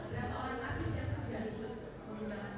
dan pergi ke istanbul